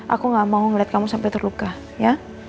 aku gak mau ngeliat kamu sampai terluka ya